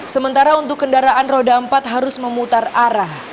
sementara untuk kendaraan roda empat harus memutar arah